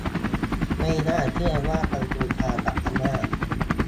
ไม่น่าเชื่อว่า กัมพูชา กับพม่า